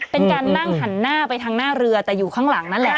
เป็นการนั่งหันหน้าไปทางหน้าเรือแต่อยู่ข้างหลังนั่นแหละ